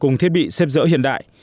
cùng thiết bị xếp dỡ hiện đại